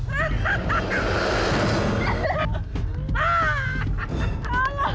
bersuruh terusnya menoker